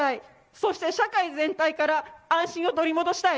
そうして社会全体から安心を取り戻したい。